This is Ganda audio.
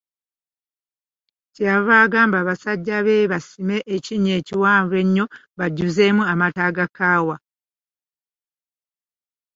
Kye yava nno agamba basajja be basime ekinnya ekiwanvu ennyo bakijjuzeemu amata agakaawa.